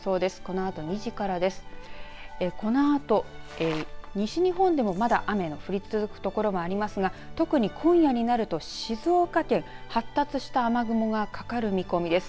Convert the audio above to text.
このあと西日本でも、まだ雨が降り続く所もありますが特に今夜になると静岡県発達した雨雲がかかる見込みです。